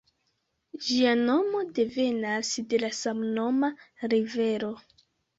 Ĝia nomo devenas de la samnoma rivero.